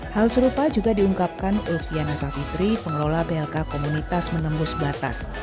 hal serupa juga diungkapkan ulviana savitri pengelola blk komunitas menembus batas